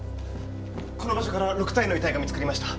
この場所から６体の遺体が見つかりました